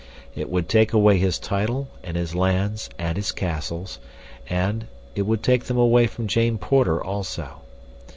It would take away his title and his lands and his castles, and—it would take them away from Jane Porter also.